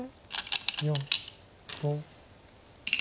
４５。